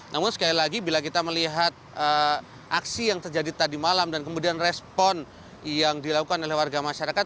namun sekali lagi bila kita melihat aksi yang terjadi tadi malam dan kemudian respon yang dilakukan oleh warga masyarakat